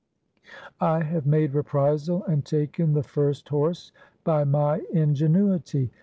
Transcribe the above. I have made reprisal and taken the first horse by my ingenuity.